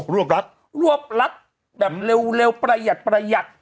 รวบรัฐรวบรัฐแบบเร็วประหยัดประหยัด